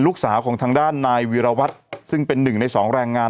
ลูกสาวของทางด้านนายวีรวัตรซึ่งเป็นหนึ่งในสองแรงงาน